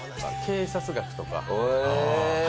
警察学とか。